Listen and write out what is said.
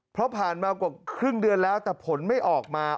เพราะผ่านมากว่าครึ่งเดือนแล้วแต่ผลไม่ออกมา